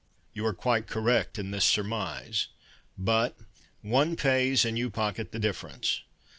You are quite correct in this surmise. But One pays, And you pocket the difference.